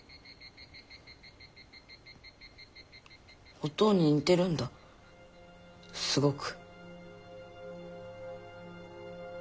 おとうに似てるんだすごく。